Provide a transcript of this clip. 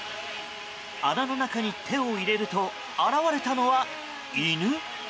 穴の中に手を入れると現れたのは、犬？